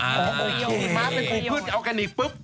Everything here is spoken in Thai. มาเป็นผู้พืชเอากันอีกปึ๊บ